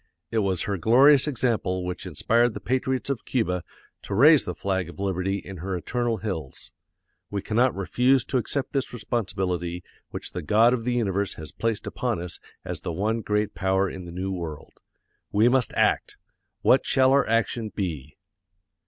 It was her glorious example which inspired the patriots of Cuba to raise the flag of liberty in her eternal hills. We cannot refuse to accept this responsibility which the God of the universe has placed upon us as the one great power in the New World. We must act! What shall our action be?